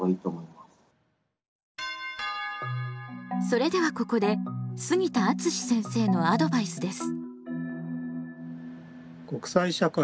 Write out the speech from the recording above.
それではここで杉田敦先生のアドバイスです。